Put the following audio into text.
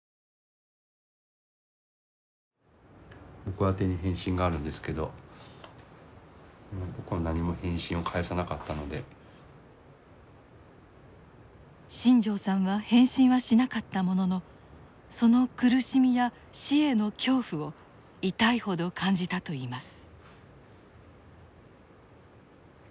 その後死を望んだ林さんは新城さんは返信はしなかったもののその苦しみや死への恐怖を痛いほど感じたといいます。